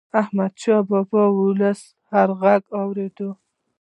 احمدشاه بابا به د ولس هر ږغ اورېده.